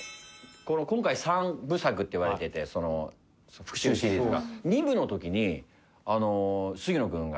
今回３部作っていわれてて復讐シリーズが。